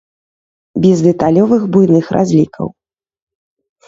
Без дэталёвых буйных разлікаў.